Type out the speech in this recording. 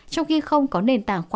trong khi không có nền tảng khoa học